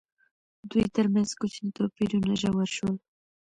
دوی ترمنځ کوچني توپیرونه ژور شول.